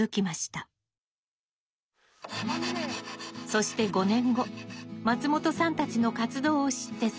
そして５年後松本さんたちの活動を知って参加。